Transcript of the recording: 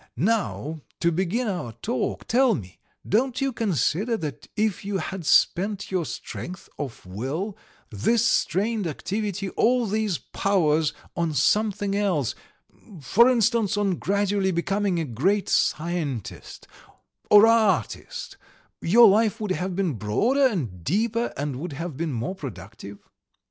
Now to begin our talk, tell me, don't you consider that if you had spent your strength of will, this strained activity, all these powers on something else, for instance, on gradually becoming a great scientist, or artist, your life would have been broader and deeper and would have been more productive?"